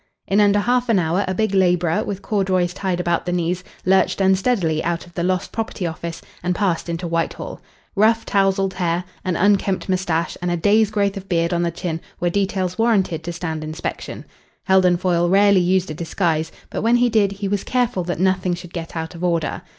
In under half an hour a big labourer, with corduroys tied about the knees, lurched unsteadily out of the Lost Property Office and passed into Whitehall. Rough, tousled hair, an unkempt moustache, and a day's growth of beard on the chin were details warranted to stand inspection. Heldon Foyle rarely used a disguise, but when he did he was careful that nothing should get out of order.